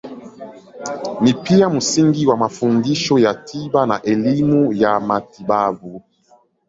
Ni pia msingi wa mafundisho ya tiba na elimu ya matibabu.